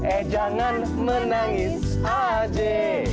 eh jangan menangis aja